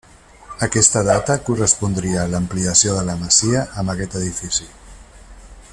Aquesta data correspondria a l'ampliació de la masia amb aquest edifici.